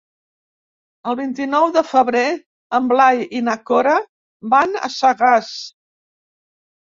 El vint-i-nou de febrer en Blai i na Cora van a Sagàs.